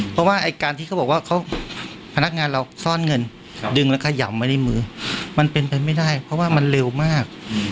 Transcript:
เพราะว่าไอ้การที่เขาบอกว่าพนักงานเราซ่อนเงินดึงแล้วขยำไว้ในมือมันเป็นไปไม่ได้เพราะว่ามันเร็วมาก